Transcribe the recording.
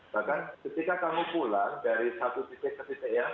bahkan ketika kamu pulang dari satu sisi ke sisi lain